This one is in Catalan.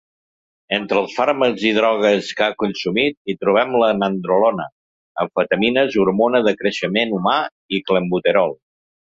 Entre els fàrmacs i drogues que ha consumit hi trobem la nandrolona, amfetamines, hormona de creixement humà i Clenbuterol.